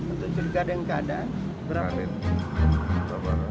untuk curiga dan keadaan